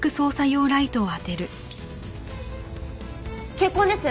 血痕です。